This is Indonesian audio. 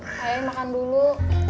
ayah makan dulu